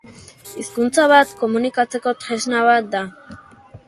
Hizkuntza bat komunikatzeko tresna bat da.